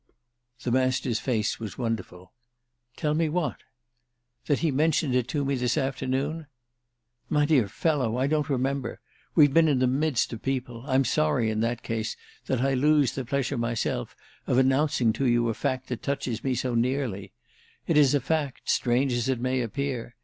The Master's face was wonderful. "Tell me what?" "That he mentioned it to me this afternoon?" "My dear fellow, I don't remember. We've been in the midst of people. I'm sorry, in that case, that I lose the pleasure, myself, of announcing to you a fact that touches me so nearly. It is a fact, strange as it may appear.